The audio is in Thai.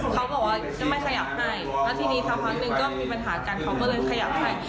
เขาบอกว่าจะไม่ขยับให้แล้วทีนี้สักพักหนึ่งก็มีปัญหากันเขาก็เลยขยับให้